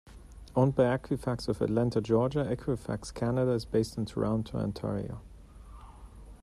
Owned by Equifax of Atlanta, Georgia, Equifax Canada is based in Toronto, Ontario.